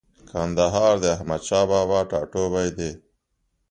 کندهار د احمدشاه بابا ټاټوبۍ دی.